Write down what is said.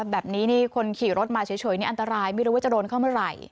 แบบนี้นี่คนขี่รถมาเฉยนี่อันตรายไม่รู้ว่าจะโดนเข้าเมื่อไหร่